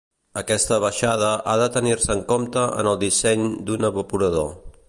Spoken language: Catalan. Aquesta baixada ha de tenir-se en compte en el disseny d'un evaporador.